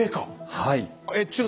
はい。